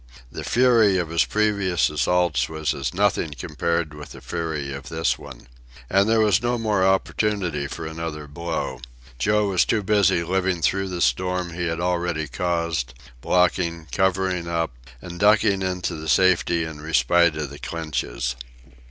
The fury of his previous assaults was as nothing compared with the fury of this one. And there was no more opportunity for another blow. Joe was too busy living through the storm he had already caused, blocking, covering up, and ducking into the safety and respite of the clinches.